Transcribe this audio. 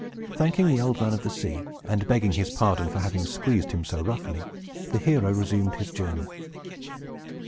Thanking the Old Man of the Sea, and begging his pardon for having squeezed him so roughly, the hero resumed his journey.